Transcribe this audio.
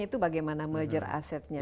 itu bagaimana merger asetnya